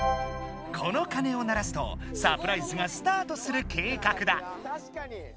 この鐘を鳴らすとサプライズがスタートする計画だ。